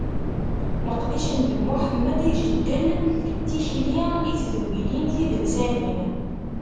Leqdic n Ben Muḥemmed ijeddel tikli i tedwilin tidelsanin.